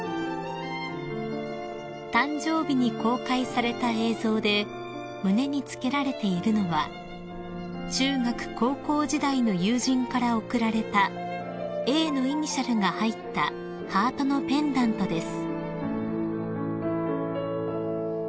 ［誕生日に公開された映像で胸に着けられているのは中学・高校時代の友人から贈られたＡのイニシャルが入ったハートのペンダントです］